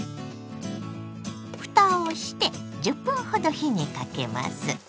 ふたをして１０分ほど火にかけます。